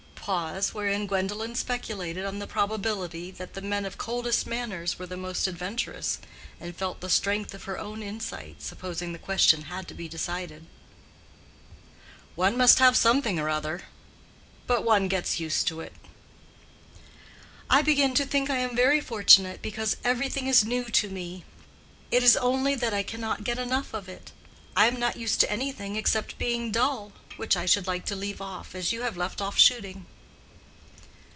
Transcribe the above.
(Pause, wherein Gwendolen speculated on the probability that the men of coldest manners were the most adventurous, and felt the strength of her own insight, supposing the question had to be decided.) "One must have something or other. But one gets used to it." "I begin to think I am very fortunate, because everything is new to me: it is only that I can't get enough of it. I am not used to anything except being dull, which I should like to leave off as you have left off shooting."